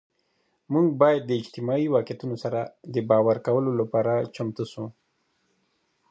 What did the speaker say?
مونږ باید د اجتماعي واقعیتونو سره د باور کولو لپاره چمتو سو.